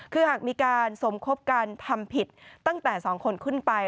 คือหากมีการสมคบกันทำผิดตั้งแต่๒คนขึ้นไป